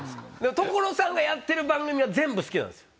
所さんがやってる番組は全部好きなんです。